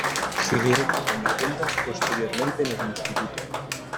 Siguieron tocando juntas posteriormente en el instituto.